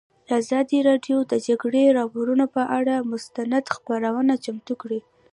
ازادي راډیو د د جګړې راپورونه پر اړه مستند خپرونه چمتو کړې.